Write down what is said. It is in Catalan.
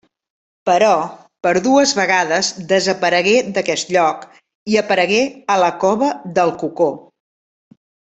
Però, per dues vegades desaparegué d'aquest lloc i aparegué a la cova del Cocó.